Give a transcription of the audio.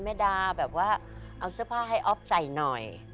ดาแบบว่าเอาเสื้อผ้าให้อ๊อฟใส่หน่อย